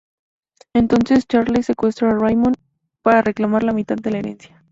Entonces Charles 'secuestra' a Raymond, para reclamar la mitad de la herencia.